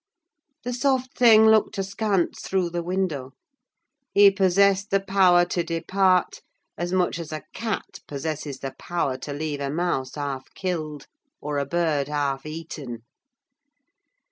The soft thing looked askance through the window: he possessed the power to depart as much as a cat possesses the power to leave a mouse half killed, or a bird half eaten.